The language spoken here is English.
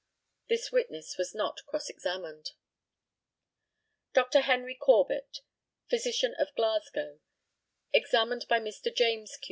This witness was not cross examined. Dr. HENRY CORBETT, physician of Glasgow, examined by Mr. JAMES, Q.